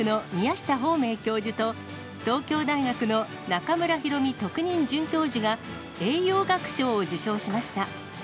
明治大学の宮下芳明教授と、東京大学の中村裕美特任准教授が栄養学賞を受賞しました。